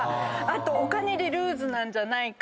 お金にルーズなんじゃないか。